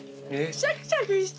シャキシャキして。